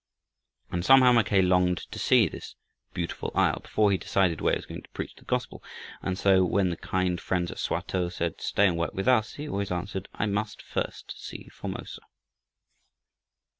And, somehow, Mackay longed to see this "Beautiful Isle" before he decided where he was going to preach the gospel. And so when the kind friends at Swatow said, "Stay and work with us," he always answered, "I must first see Formosa."